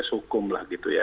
hukum lah gitu ya